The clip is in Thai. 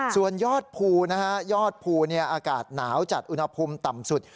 ส่วนยอดภูนะฮะยอดภูอากาศหนาวจัดอุณหภูมิต่ำสุด